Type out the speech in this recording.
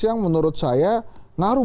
yang menurut saya ngaruh